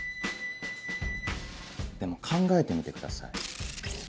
でも考えてみてください。